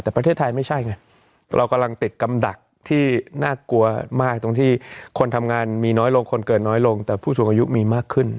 แต่ประเทศไทยไม่ใช่ไงเรากำลังติดกำดักที่น่ากลัวมากตรงที่คนทำงานมีน้อยลงคนเกิดน้อยลงแต่ผู้สูงอายุมีมากขึ้น